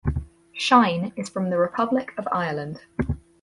Shine is from the Republic of Ireland.